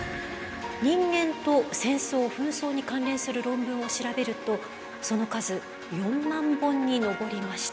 人間と戦争・紛争に関連する論文を調べるとその数４万本に上りました。